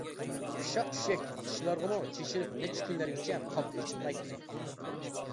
ئۇششاق-چۈششەك ئىشلارغىمۇ چېچىلىپ نەچچە كۈنلەرگىچە قاپىقى ئېچىلمايتتى.